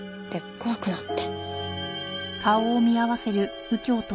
怖くなって。